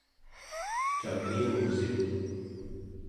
camiungusit?